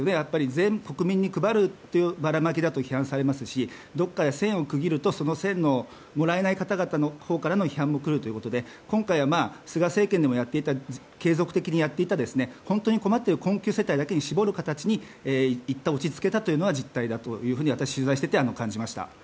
全国民に配るとばらまきだと批判されますしどこかで線を区切るとその線のもらえない方々からの批判も来るということで今回は、菅政権でも継続的にやっていた本当に困っている困窮世帯だけに絞る形に落ち着けたというのが実態だと感じました。